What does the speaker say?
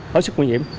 hết sức nguy hiểm